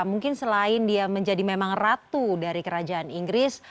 mungkin selain dia menjadi memang ratu dari kerajaan inggris